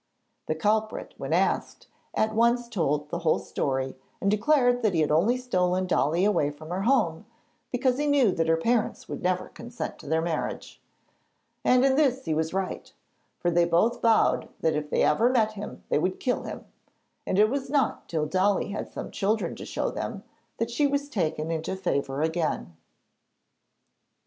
The culprit, when asked, at once told the whole story and declared that he had only stolen Dolly away from her home because he knew that her parents would never consent to their marriage. And in this he was right, for they both vowed that if they ever met him they would kill him; and it was not till Dolly had some children to show them, that she was taken into favour again.